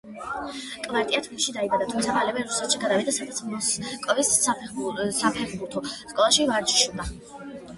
კვირტია თბილისში დაიბადა, თუმცა მალევე რუსეთში გადავიდა, სადაც მოსკოვის საფეხბურთო სკოლაში ვარჯიშობდა.